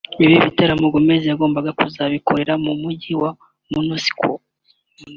Ibi bitaramo Gomez yagombaga kuzabikorera mu mujyi wa Minsk